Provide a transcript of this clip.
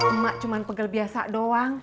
cuma pegel biasa doang